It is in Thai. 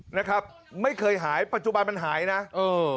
นะครับไม่เคยหายปัจจุบันมันหายนะเออ